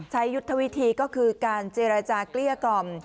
ยุทธวิธีก็คือการเจรจาเกลี้ยกล่อม